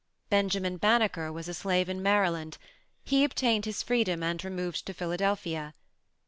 Benjamin Bannaker was a slave in Maryland: he obtained his freedom, and removed to Philadelphia.